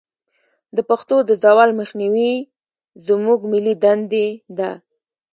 د پښتو د زوال مخنیوی زموږ ملي دندې ده.